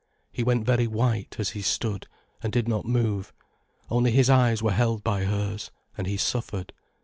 He went very white as he stood, and did not move, only his eyes were held by hers, and he suffered.